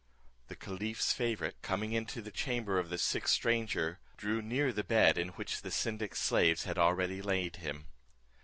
The caliph's favourite coming into the chamber of the sick stranger, drew near the bed, in which the syndic's slaves had already laid him.